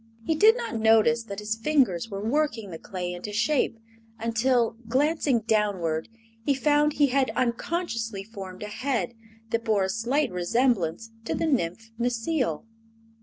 He did not notice that his fingers were working the clay into shape until, glancing downward, he found he had unconsciously formed a head that bore a slight resemblance to the Nymph Necile!